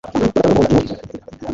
bagatungwa no guhonda inguri